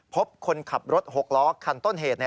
คนขับรถ๖ล้อคันต้นเหตุ